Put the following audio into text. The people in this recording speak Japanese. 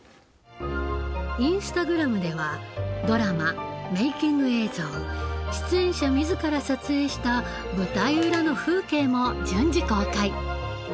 インスタグラムではドラマメイキング映像出演者自ら撮影した舞台裏の風景も順次公開。